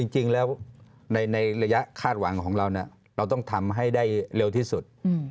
จริงแล้วในระยะคาดหวังของเราเราต้องทำให้ได้เร็วที่สุด